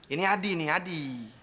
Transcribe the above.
ini adi nih adi